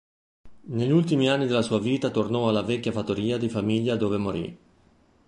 Negli ultimi anni della sua vita tornò alla vecchia fattoria di famiglia dove morì.